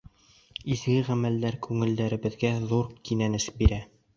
Изге ғәмәлдәр күңелебеҙгә ҙур кинәнес бирә.